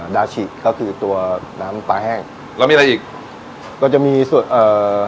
ดาชิก็คือตัวน้ำปลาแห้งแล้วมีอะไรอีกเราจะมีส่วนเอ่อ